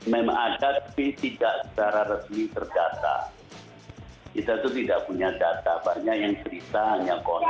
memang ada tapi tidak secara resmi terdata